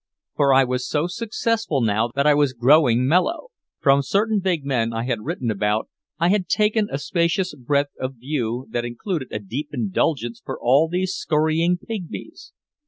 For I was so successful now that I was growing mellow. From certain big men I had written about I had taken a spacious breadth of view that included a deep indulgence for all these skurrying pigmies.